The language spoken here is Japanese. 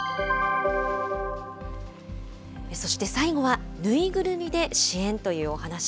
そして最後は縫いぐるみで支援というお話。